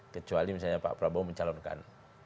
kecuali misalnya pak prabowo mencalonkan